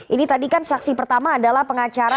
ini tadi kan saksi pertama adalah pengacara